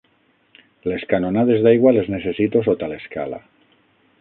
Les canonades d'aigua, les necessito sota l'escala.